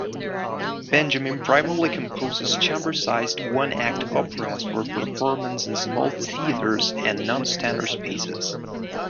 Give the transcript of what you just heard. Benjamin primarily composes chamber-sized one-act operas for performance in small theatres and non-standard spaces.